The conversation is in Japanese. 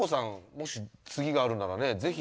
もし次があるならねぜひ。